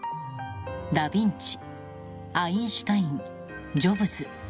ダ・ヴィンチ、アインシュタインジョブズ。